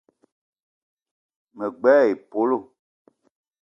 Me gbele épölo